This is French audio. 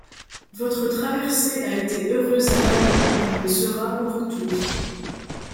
Votre traversée a été heureuse à l’aller, elle le sera au retour.